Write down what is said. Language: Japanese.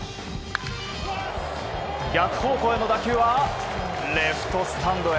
逆方向への打球はレフトスタンドへ。